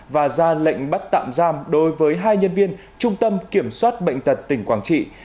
và ra lệnh bắt tạm giam đối với hai nhân viên trung tâm kiểm soát bệnh tật tỉnh quảng trị